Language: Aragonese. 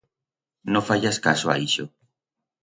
No fayas caso a ixo.